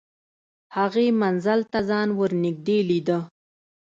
هغې منزل ته ځان ور نږدې لیده